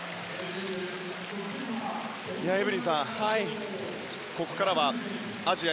エブリンさん、ここからはアジア